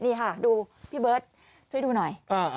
นี่ค่ะดูพี่เบิร์ตช่วยดูหน่อย